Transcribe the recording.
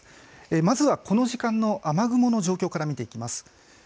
まずはこの時間の雨雲の状況から見ていきます。